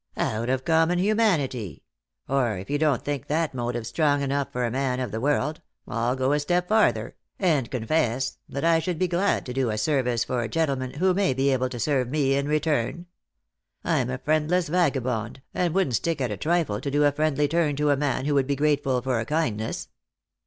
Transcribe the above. " Out of common humanity ; or, if you don't think that motive strong enough for a man of the world, I'll go a step farther, and confess that I should be glad to do a service for a gentle man who may be able to serve me in return. I'm a friendless vagabond, and wouldn't stick at a trifle to do a friendly turn to a man who could be grateful for a kindness."